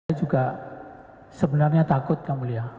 pak teddy juga sebenarnya takut ya mulia